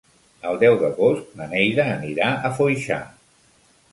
El deu d'agost na Neida anirà a Foixà.